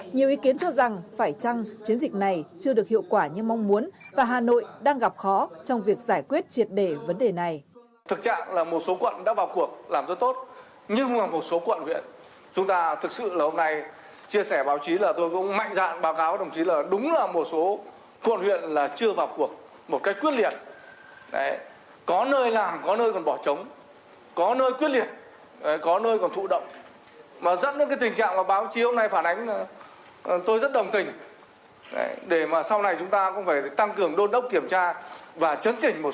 nhiều ý kiến cho rằng phải chăng chiến dịch này chưa được hiệu quả như mong muốn và hà nội đang gặp khó trong việc giải quyết triệt để vấn đề này